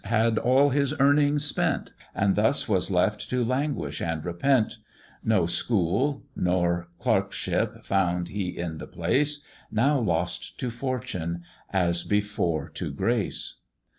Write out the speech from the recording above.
had all his earnings spent, And thus was left to languish and repent; No school nor clerkship found he in the place, Now lost to fortune, as before to grace.